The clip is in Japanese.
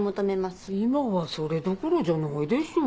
今はそれどころじゃないでしょ。